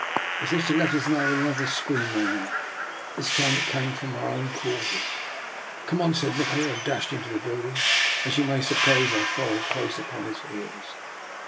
" As if to let us know another scream rang out. This time it came from our own quarters. " Come on," cried Nikola, and dashed into the building. As you may suppose, I fol lowed close upon his heels.